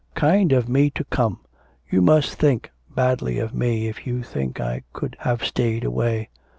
'Kind of me to come! You must think badly of me if you think I could have stayed away.